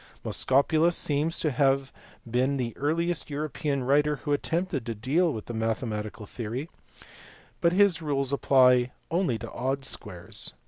Moschopulus seems to have been the earliest European writer who attempted to deal with the mathematical theory, but his rules apply only to odd squares.